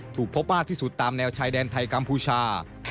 ถูกพบมากที่สุดตามแนวชายแดนไทยกัมพูชา